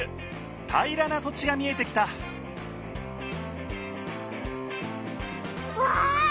平らな土地が見えてきたわあ！